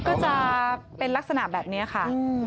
ก็จะเป็นลักษณะแบบนี้ค่ะ